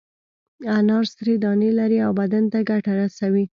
انار سرې دانې لري او بدن ته ګټه رسوي.